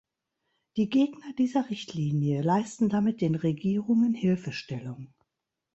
Die Gegner dieser Richtlinie leisten damit den Regierungen Hilfestellung.